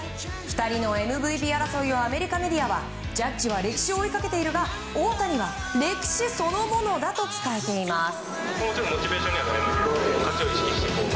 ２人のＭＶＰ争いをアメリカメディアはジャッジは歴史を追いかけているが、大谷は歴史そのものだと伝えています。